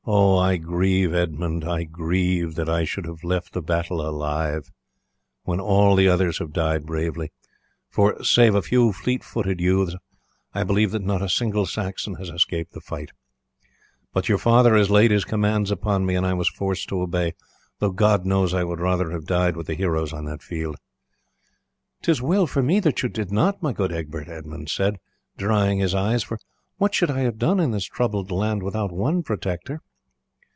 I grieve, Edmund, that I should have left the battle alive when all the others have died bravely, for, save a few fleet footed youths, I believe that not a single Saxon has escaped the fight; but your father had laid his commands upon me, and I was forced to obey, though God knows I would rather have died with the heroes on that field." "'Tis well for me that you did not, my good Egbert," Edmund said, drying his eyes, "for what should I have done in this troubled land without one protector?"